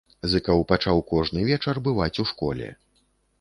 Зыкаў пачаў кожны вечар бываць у школе.